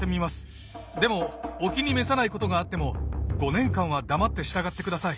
でもお気に召さないことがあっても５年間は黙って従ってください。